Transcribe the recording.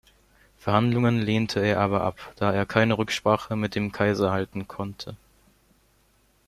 Verhandlungen lehnte er aber ab, da er keine Rücksprache mit dem Kaiser halten konnte.